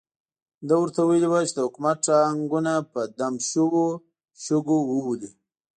ده ورته ویلي وو چې د حکومت ټانګونه په دم شوو شګو وولي.